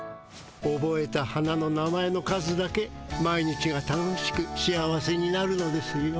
おぼえた花の名前の数だけ毎日が楽しく幸せになるのですよ。